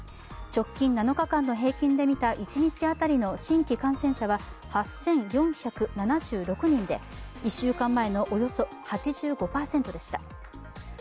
直近７日間の平均で見た一日当たりの新規感染者は８４７６人で１週間前のおよそ８５％でした。